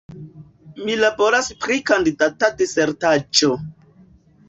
Mi laboras pri kandidata disertaĵo.